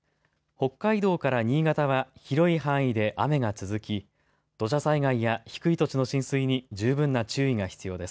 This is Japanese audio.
北海道から新潟は広い範囲で雨が続き土砂災害や低い土地の浸水に十分な注意が必要です。